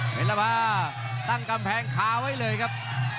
เป็นระภาตั้งกำแพงคาไว้เลยครับ